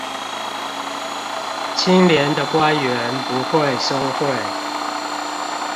清廉的官員不會收賄